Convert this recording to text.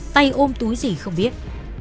tay ôm túi gì không biết